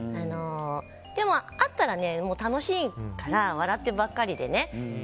でも会ったら楽しいから笑ってばっかりで。